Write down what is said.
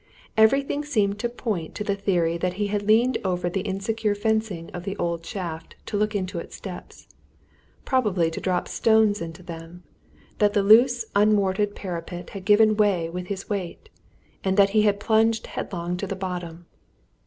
Everything seemed to point to the theory that he had leaned over the insecure fencing of the old shaft to look into its depths; probably to drop stones into them; that the loose, unmortared parapet had given way with his weight, and that he had plunged headlong to the bottom.